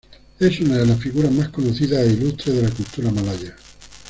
Es una de las figuras más conocidas e ilustres de la cultura malaya.